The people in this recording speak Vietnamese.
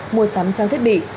mua sắm trang thiết bị